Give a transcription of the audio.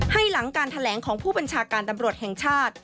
ให้หลังการแถลงของผู้บัญชาการตำรวจแห่งชาติ